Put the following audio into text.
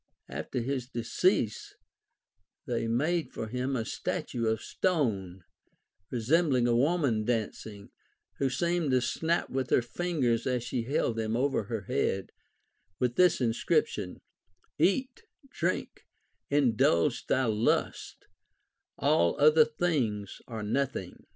After his decease, they made for him a statue of stone, resembling a woman dancing, Avho seemed to snap with her fingers as she held them over her head, with this inscription, — Eat, drink, indulge thy lust ; all other things, are nothing.